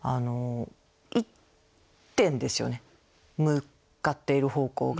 一点ですよね向かっている方向が。